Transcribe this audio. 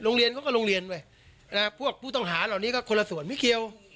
โรงเรียนเขาก็โรงเรียนไว้พวกผู้ต้องหาเหล่านี้ก็คนละส่วนไม่เกี่ยว